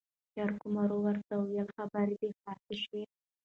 جرګمارو ورته وويل خبرې دې خلاصې شوې ؟